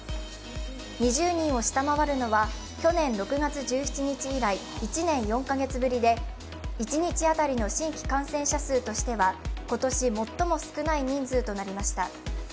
２０人を下回るのは去年６月１７日以来、一日当たりの新規感染者数としては今年最も少ない人数となりました。